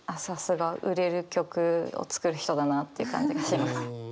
さすが売れる曲を作る人だなっていう感じがします。